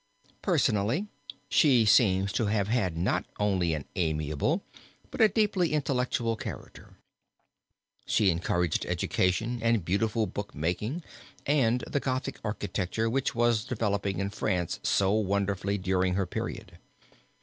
Personally she seems to have had not only an amiable but a deeply intellectual character. She encouraged education and beautiful book making and the Gothic architecture which was developing in France so wonderfully during her period.